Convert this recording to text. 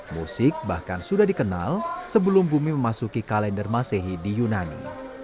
musik bahkan sudah dikenal sebelum bumi memasuki kalender masehi di yunani